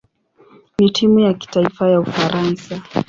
na timu ya kitaifa ya Ufaransa.